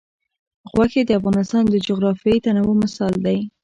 غوښې د افغانستان د جغرافیوي تنوع مثال دی.